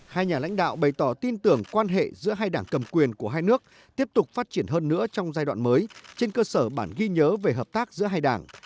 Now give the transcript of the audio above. hai nhà lãnh đạo bày tỏ tin tưởng quan hệ giữa hai đảng cầm quyền của hai nước tiếp tục phát triển hơn nữa trong giai đoạn mới trên cơ sở bản ghi nhớ về hợp tác giữa hai đảng